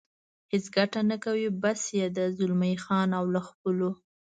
هېڅ ګټه نه کوي، بس یې ده، زلمی خان او له خپلو.